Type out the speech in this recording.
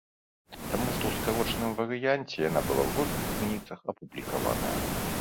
Таму што ў скарочаным варыянце яна была ў розных крыніцах апублікаваная.